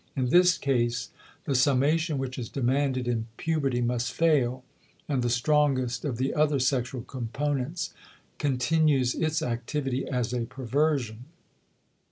In this case the summation which is demanded in puberty must fail and the strongest of the other sexual components continues its activity as a perversion.